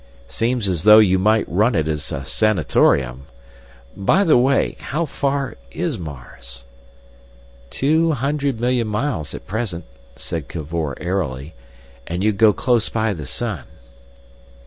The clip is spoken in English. "Seems as though you might run it as a sanatorium. By the way, how far is Mars?" "Two hundred million miles at present," said Cavor airily; "and you go close by the sun."